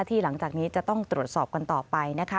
หลังจากนี้จะต้องตรวจสอบกันต่อไปนะคะ